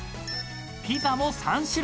［ピザも３種類］